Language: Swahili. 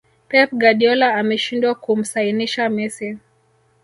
pep guardiola ameshindwa kumsainisha messi